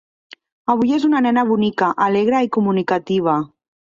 Avui és una nena bonica, alegre i comunicativa.